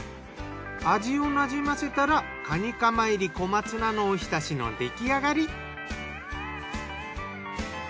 味をなじませたらカニカマ入り小松菜のおひたしの出来上がり。